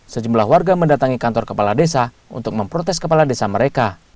sejumlah warga mendatangi kantor kepala desa untuk memprotes kepala desa mereka